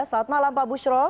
selamat malam pak bushro